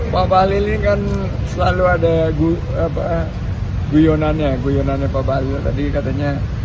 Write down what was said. pak bahlil ini kan selalu ada guyonannya guyonannya pak bahlil tadi katanya